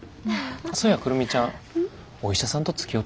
そや久留美ちゃんお医者さんとつきおうてんの？